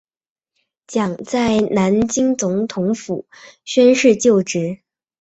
蒋在南京总统府宣誓就职。